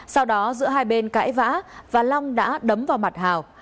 sau đó giữa hai bên cãi vã và long đã đấm vào mặt hào